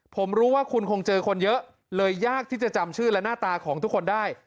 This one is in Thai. ผมรู้ว่าคุณคงเจอคนเยอะเลยยากที่จะจำชื่อและหน้าตาของทุกคนได้